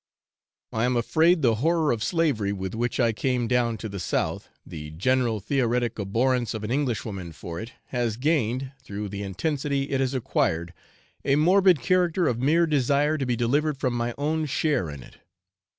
I am afraid the horror of slavery with which I came down to the south, the general theoretic abhorrence of an Englishwoman for it, has gained, through the intensity it has acquired, a morbid character of mere desire to be delivered from my own share in it.